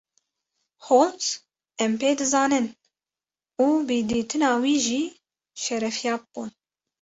Holmes: Em pê dizanin û bi dîtina wî jî şerefyab bûn.